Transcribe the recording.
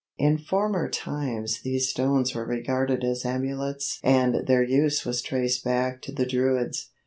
In former times these stones were regarded as amulets and their use was traced back to the Druids.